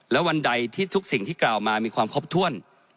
และวันใดที่ทุกสิ่งที่กล่าวมามีความครบถ้วน